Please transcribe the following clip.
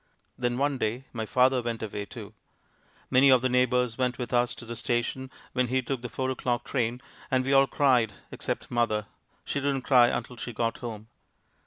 Then one day my father went away, too. Many of the neighbors went with us to the station when he took the four o'clock train, and we all cried, except mother she didn't cry until she got home.